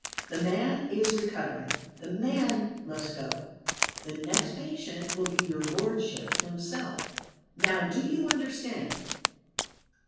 The man is recovering. The man must go: the next patient will be your lordship himself. Now do you understand?"